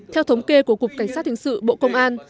theo thống kê của cục cảnh sát hình sự bộ công an